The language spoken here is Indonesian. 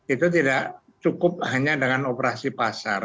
itu tidak cukup hanya dengan operasi pasar